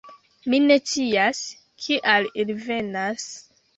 Mi ne scias, kial ili venas....